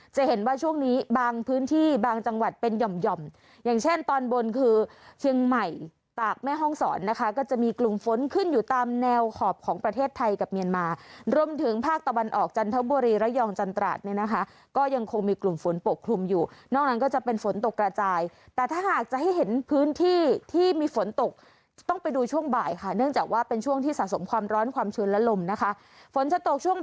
จะเห็นว่าช่วงนี้บางพื้นที่บางจังหวัดเป็นหย่อมอย่างเช่นตอนบนคือเชียงใหม่ตากแม่ห้องสอนนะคะก็จะมีกลุ่มฝนขึ้นอยู่ตามแนวขอบของประเทศไทยกับเมียนมาร์รวมถึงภาคตะวันออกจันทบุรีระยองจันตราชนะคะก็ยังคงมีกลุ่มฝนปกครุมอยู่นอกนั้นก็จะเป็นฝนตกกระจายแต่ถ้าหากจะให้เห็นพื้นที่ท